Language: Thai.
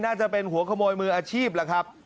น่าจะเป็นหัวขโมยมืออาชีพล่ะครับ